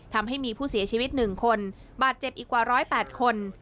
ทำให้มีผู้เสียชีวิต๑คนบาดเจ็บอีกกว่า๑๐๘คน